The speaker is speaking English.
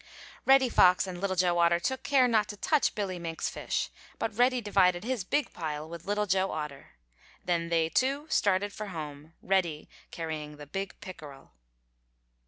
Reddy Fox and Little Joe Otter took care not to touch Billy Mink's fish, but Reddy divided his big pile with Little Joe Otter. Then they, too, started for home, Reddy carrying the big pickerel.